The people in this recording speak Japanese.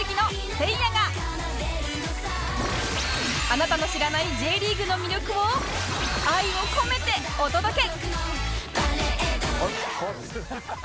あなたの知らない Ｊ リーグの魅力を愛を込めてお届け！